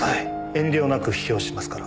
遠慮なく批評しますから。